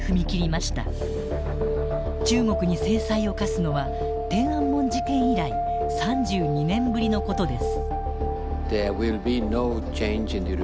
中国に制裁を科すのは天安門事件以来３２年ぶりのことです。